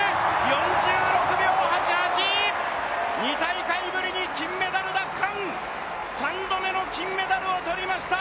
４６秒８８、２大会ぶりに金メダル奪還、３度目の金メダルを取りました。